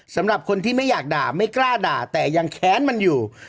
สำหรับคนที่ไม่อยากด่าไม่กล้าด่าแต่ยังแค้นมันอยู่